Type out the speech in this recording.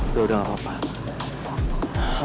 udah gak apa apa